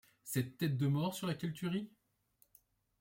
Cette tête de mort sur laquelle tu ris ?